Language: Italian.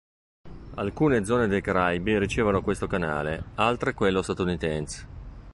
Alcune zone dei Caraibi ricevono questo canale, altre quello statunitense.